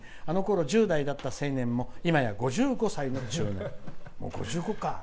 あのころ１０代だった青年もいまや５５歳の中年。